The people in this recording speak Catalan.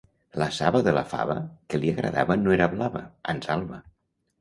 La saba de la fava que li agradava no era blava, ans alba